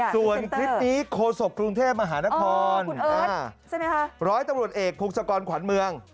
ส่วนคลิปนี้โคศกกรุงเทพมหานครร้อยตำรวจเอกพงศกรขวัญเมือง